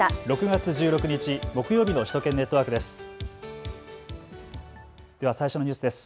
６月１６日、木曜日の首都圏ネットワークです。